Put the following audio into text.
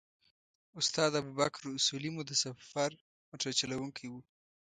استاد ابوبکر اصولي مو د سفر موټر چلوونکی و.